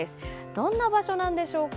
どんな場所なんでしょうか。